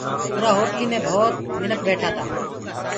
اُرآ هوٽليٚ مي ڀوت منک ٻيٺآ تآ